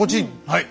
はい！